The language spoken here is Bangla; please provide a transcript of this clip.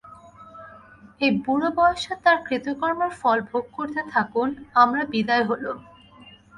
এই বুড়োবয়সে তাঁর কৃতকর্মের ফল ভোগ করতে থাকুন, আমরা বিদায় হলুম।